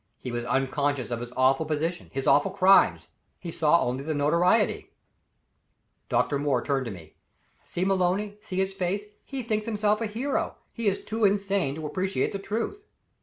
He was unconscious of his awful position, his awful crimes. He saw only the notoriety. Dr. Moore turned to me. "See Maloney see his face; he thinks himself a hero he is too insane to appreciate the truth."